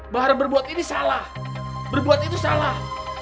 bahar berbuat ini salah berbuat itu salah